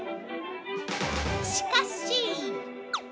しかし◆